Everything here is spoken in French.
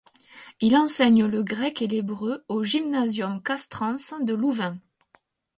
Il enseigne le grec et l'hébreu au Gymnasium castrense de Louvain.